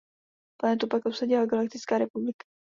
Planetu pak obsadila Galaktická republika.